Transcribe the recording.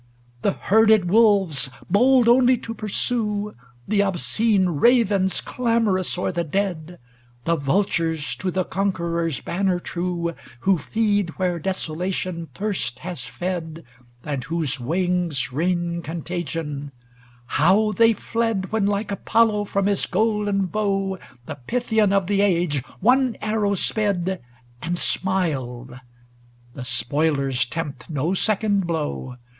XXVIII 'The herded wolves, bold only to pursuer The obscene ravens, clamorous o'er the dead; The vultures, to the conqueror's banner true, Who feed where Desolation first has fed, And whose wings rain contagion; ŌĆö how they fled, When, like Apollo, from his golden bow The Pythian of the age one arrow sped And smiled ! ŌĆö The spoilers tempt no second blow.